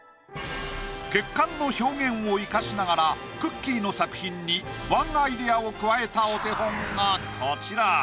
血管の表現を生かしながらくっきー！の作品にワンアイディアを加えたお手本がこちら。